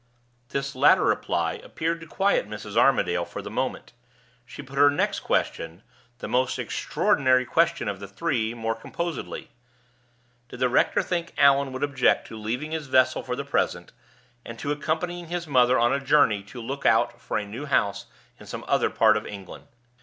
This latter reply appeared to quiet Mrs. Armadale for the moment; she put her next question the most extraordinary question of the three more composedly: Did the rector think Allan would object to leaving his vessel for the present, and to accompanying his mother on a journey to look out for a new house in some other part of England?